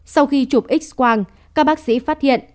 sau khi chụp x quang các bác sĩ phát hiện